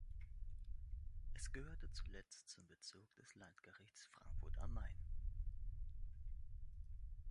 Es gehörte zuletzt zum Bezirk des Landgerichts Frankfurt am Main.